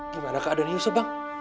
gimana keadaan yusuf bang